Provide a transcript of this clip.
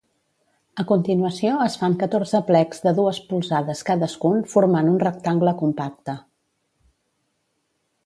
A continuació es fan catorze plecs de dues polzades cadascun formant un rectangle compacte.